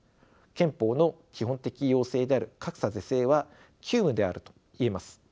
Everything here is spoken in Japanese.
憲法の基本的要請である格差是正は急務であると言えます。